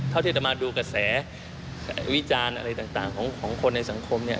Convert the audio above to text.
เท่าที่จะมาดูกระแสวิจารณ์อะไรต่างของคนในสังคมเนี่ย